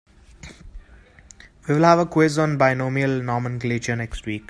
We will have a quiz on binomial nomenclature next week.